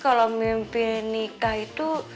kalau mimpi nikah itu